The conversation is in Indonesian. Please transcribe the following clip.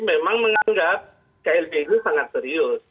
memang menganggap klb ini sangat serius